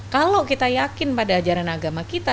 kalau kita yakin pada ajaran agama kita